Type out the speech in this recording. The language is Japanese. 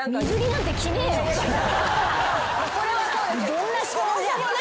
どんな質問じゃ。